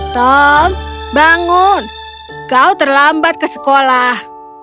tom bangun kau terlambat ke sekolah